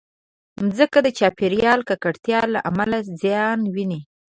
مځکه د چاپېریالي ککړتیا له امله زیان ویني.